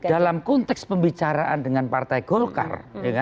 dalam konteks pembicaraan dengan partai golkar